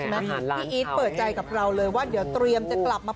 พี่อีทเปิดใจกับเราเลยว่าเดี๋ยวเตรียมจะกลับมา